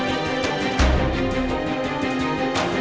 kepala komoditi lantai